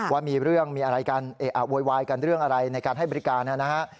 ว่ามีเรื่องมีอะไรกันโวยวายกันเรื่องอะไรในการให้บริการนะฮะ